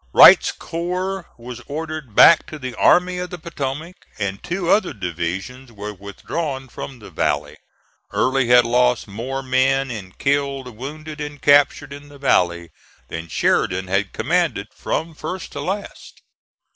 Wright's corps was ordered back to the Army of the Potomac, and two other divisions were withdrawn from the valley. Early had lost more men in killed, wounded and captured in the valley than Sheridan had commanded from first to last.